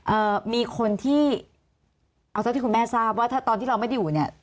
เอ่อมีคนที่เอาเท่าที่คุณแม่ทราบว่าถ้าตอนที่เราไม่ได้อยู่เนี่ย